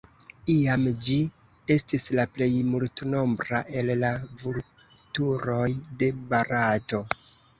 Iam ĝi estis la plej multnombra el la vulturoj de Barato.